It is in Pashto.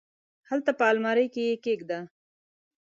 هلته په المارۍ کي یې کښېږده !